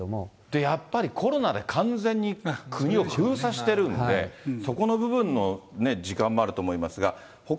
やっぱり、コロナで完全に国を封鎖してるんで、そこの部分の時間もあると思いますが。